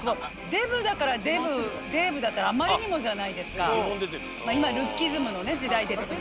デブだからデーブだったらあまりにもじゃないですか。今ルッキズムの時代で特に。